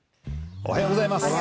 おはようございます。